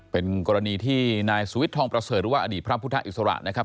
เป็นกรณีที่นายสุวิทย์ทองประเสริฐหรือว่าอดีตพระพุทธอิสระนะครับ